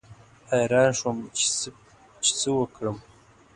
حیران شوم چې څه وکړم.